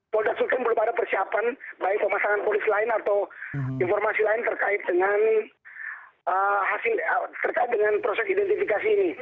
polda sultan belum ada persiapan baik pemasangan polis lain atau informasi lain terkait dengan proses identifikasi ini